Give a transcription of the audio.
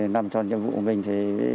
năm tròn nhiệm vụ của mình